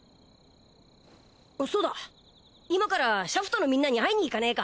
そうだ今からシャフトのみんなに会いに行かねえか？